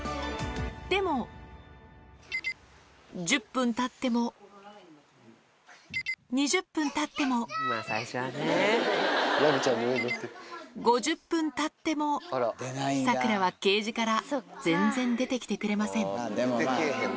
でも、１０分たっても、２０分たっても、５０分たっても、サクラはケージから全然出てきてくれません。